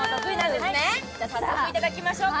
では、早速いただきましょうか。